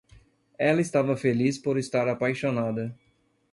Ela estava feliz por estar apaixonada.